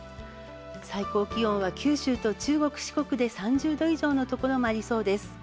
最高気温は九州と中国・四国で３０度以上のところもありそうです。